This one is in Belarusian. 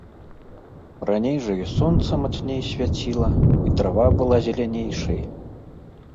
Раней жа і сонца мацней свяціла, і трава была зелянейшай.